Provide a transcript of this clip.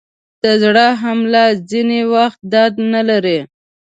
د زړه حمله ځینې وختونه درد نلري.